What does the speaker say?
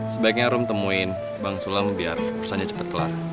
sebaiknya ruhm temuin bang sulam biar persannya cepet kelar